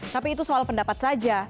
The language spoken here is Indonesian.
tapi itu soal pendapat saja